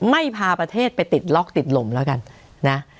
ไม่พาประเทศไปติดล็อกติดลมแล้วกันนะ